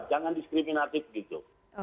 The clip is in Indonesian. jangan diskriminatif gitu